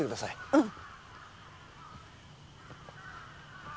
うん。